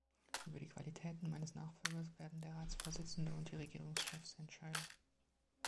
Über die Qualitäten meines Nachfolgers werden der Ratsvorsitzende und die Regierungschefs entscheiden.